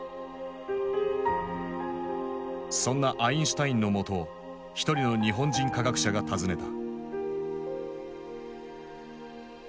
そんなアインシュタインの元を一人の日本人科学者が訪ねた。